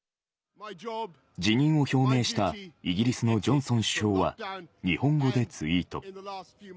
辞任を表明したイギリスのジョンソン首相は、日本語でツイート。